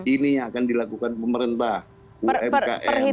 ini yang akan dilakukan pemerintah umkm